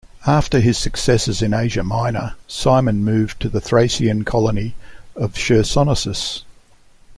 After his successes in Asia Minor, Cimon moved to the Thracian colony Chersonesus.